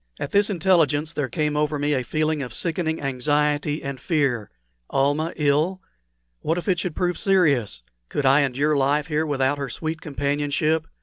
At this intelligence there came over me a feeling of sickening anxiety and fear. Almah ill! What if it should prove serious? Could I endure life here without her sweet companionship?